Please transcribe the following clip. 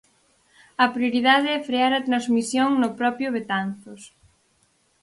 A prioridade é frear a transmisión no propio Betanzos.